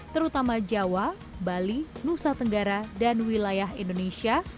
terutama jawa bali nusa tenggara dan wilayah indonesia